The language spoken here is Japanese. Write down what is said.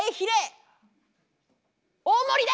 大盛りで！